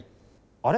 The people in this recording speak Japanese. あれ？